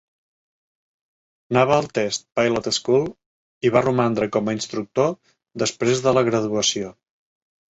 Naval Test Pilot School, i va romandre com a instructor després de la graduació.